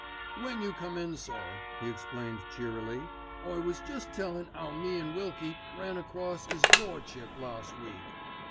"When you come in, sir," he explained cheerily, "I was jest tellin' 'ow me an' Wilkie ran across 'is Lordship last week.